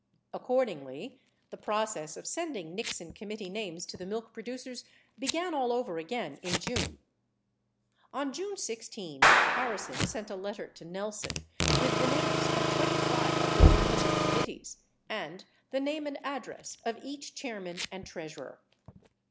Accordingly, the process of sending Nixon committee names to the milk producers began all over again in June. On June 16, Harrison sent a letter to Nelson AA r ith the names of 25 of the 100 committees and the name and address of each chairman and treasurer.